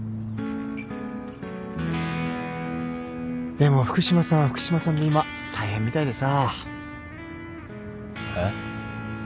でも福島さんは福島さんで今大変みたいでさ。